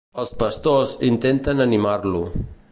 Els pastors intenten animar-lo.